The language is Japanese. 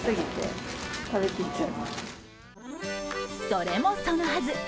それもそのはず。